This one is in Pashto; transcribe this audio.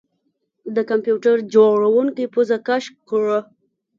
د کمپیوټر جوړونکي پوزه کش کړه